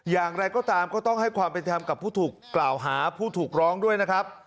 อย่างไรก็ตามก็ต้องให้ความเป็นธรรมกับผู้ถูกกล่าวหาผู้ถูกร้องด้วยนะครับ